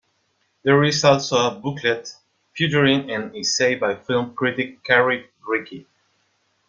There is also a booklet featuring an essay by film critic Carrie Rickey.